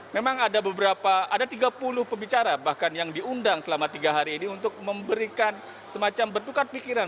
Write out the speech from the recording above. memang ada beberapa ada tiga puluh pembicara bahkan yang diundang selama tiga hari ini untuk memberikan semacam bertukar pikiran